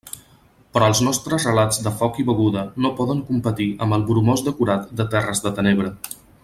Però els nostres relats de foc i beguda no poden competir amb el bromós decorat de terres de tenebra.